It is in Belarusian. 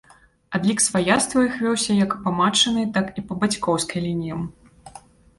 Адлік сваяцтва ў іх вёўся як па матчынай, так і па бацькоўскай лініям.